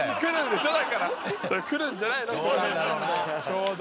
ちょうど。